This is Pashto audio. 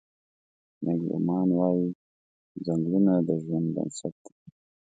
مېګ لومان وايي: "ځنګلونه د ژوند بنسټ دی.